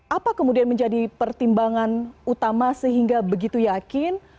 apa kemudian menjadi pertimbangan utama sehingga begitu yakin